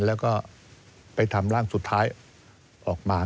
แล้วก็ไปทำร่างสุดท้ายออกมา